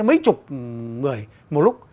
mấy chục người một lúc